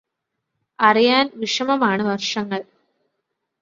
അറിയാൻ വിഷമമാണ് വർഷങ്ങൾ